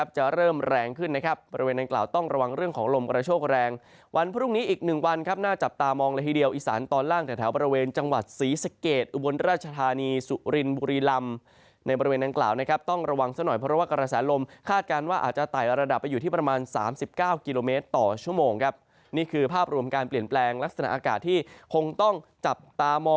บริเวณนั้นกล่าวต้องระวังเรื่องของลมกระโชคแรงวันพรุ่งนี้อีก๑วันครับหน้าจับตามองละทีเดียวอีสานตอนล่างจากแถวบริเวณจังหวัดศรีสเกตบนราชธานีสุรินบุรีลำในบริเวณนั้นกล่าวนะครับต้องระวังซะหน่อยเพราะว่ากระแสลมคาดการณ์ว่าอาจจะไตล์ระดับไปอยู่ที่ประมาณ๓๙กิโลเมตรต่อชั่วโม